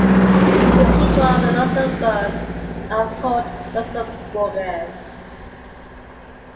The people of Luxembourg are called Luxembourgers.